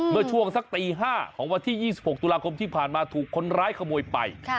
เมื่อช่วงสักตี๕ของวันที่๒๖ตุลาคมที่ผ่านมาถูกคนร้ายขโมยไป